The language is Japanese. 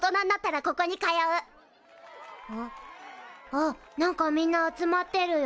あっ何かみんな集まってるよ。